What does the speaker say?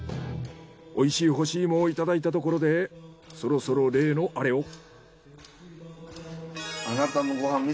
おいしい干し芋をいただいたところでそろそろ例のアレを。